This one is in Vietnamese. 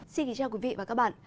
xin kính chào quý vị và các bạn